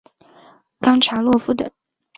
冈察洛夫等。